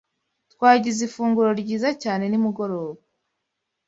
Twagize ifunguro ryiza cyane nimugoroba.